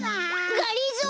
がりぞー！